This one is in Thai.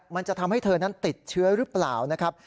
มันจะทำให้เธอนั้นติดเชื้อหรือเปล่านะครับ